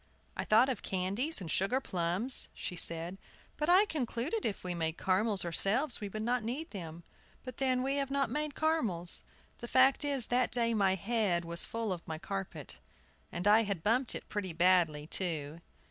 "I thought of candies and sugar plums," she said; "but I concluded if we made caramels ourselves we should not need them. But, then, we have not made caramels. The fact is, that day my head was full of my carpet. I had bumped it pretty badly, too."